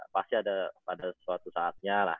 pasti ada pada suatu saatnya lah